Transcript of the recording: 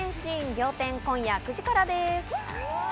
『仰天』、今夜９時からです。